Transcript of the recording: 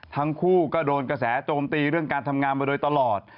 ทั้งคู่ก็โดนกระแสโจมตีเรื่องการทำงานมาโดยตลอด